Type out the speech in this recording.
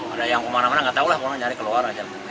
ada yang kemana mana nggak tahu lah pokoknya nyari keluar aja